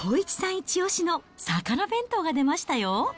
一押しの魚弁当が出ましたよ。